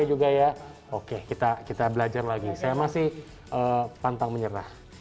saya juga ya oke kita belajar lagi saya masih pantang menyerah